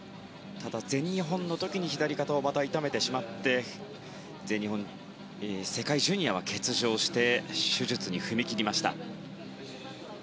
ただ、全日本の時に左肩をまた痛めてしまって世界ジュニアは欠場して手術に踏み切りました。